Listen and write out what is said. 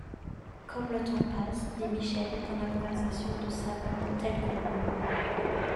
Comme le temps passe, dit Michel, dans la conversation de savants tels que nous !